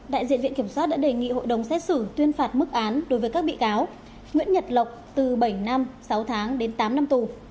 đại diện viện kiểm soát đã đề nghị hội đồng xét xử tuyên phạt mức án đối với các bị cáo nguyễn nhật lộc từ bảy năm sáu tháng đến tám năm tù